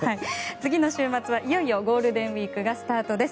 次の週末はいよいよゴールデンウィークがスタートです。